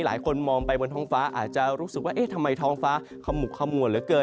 หลายคนมองไปบนท้องฟ้าอาจจะรู้สึกว่าเอ๊ะทำไมท้องฟ้าขมุกขมวดเหลือเกิน